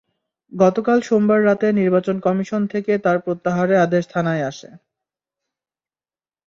গতকাল সোমবার রাতে নির্বাচন কমিশন থেকে তাঁর প্রত্যাহারের আদেশ থানায় আসে।